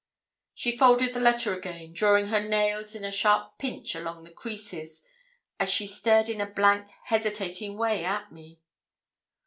She folded the letter again, drawing her nails in a sharp pinch along the creases, as she stared in a blank, hesitating way at me.